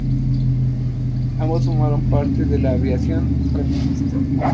Ambos formaron parte de la aviación franquista.